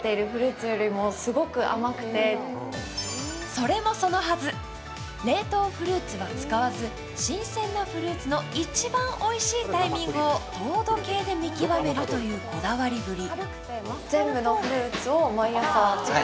それもそのはず、冷凍フルーツは使わず、新鮮なフルーツの一番おいしいタイミングを糖度計で見極めるというこだわりぶり。